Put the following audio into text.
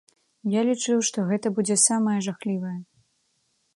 Я лічыў, што гэта будзе самае жахлівае.